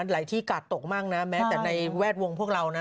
ที่กาดตกมากนะแม้แต่ในแวดวงพวกเรานะ